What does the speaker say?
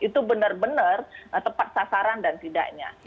itu benar benar tepat sasaran dan tidaknya